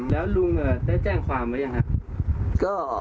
แล้วลุงได้แจ้งความไว้ยังครับ